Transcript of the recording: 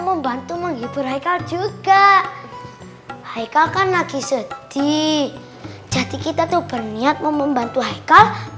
membantu menghibur haikal juga hai kakak lagi sedih jadi kita tuh berniat membantu hai kalau